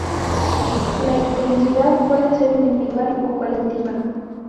La infelicidad puede ser individual o colectiva.